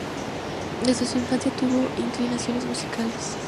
Desde su infancia tuvo inclinaciones musicales.